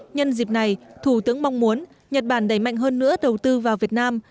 nhân dịp này thủ tướng mong muốn nhật bản đẩy mạnh hơn nữa đầu tư vào việt nam